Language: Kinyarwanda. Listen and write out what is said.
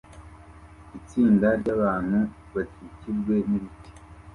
Itsinda ryabantu bakikijwe nibiti